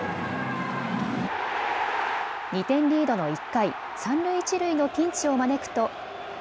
２点リードの１回三塁一塁のピンチを招くと。